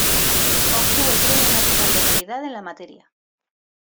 Obtuvo el Premio Nacional de Calidad en la materia.